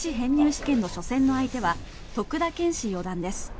試験の初戦の相手は徳田拳士四段です。